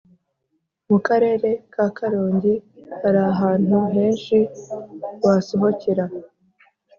Mukarere ka karongi harahantu henshi wasohokera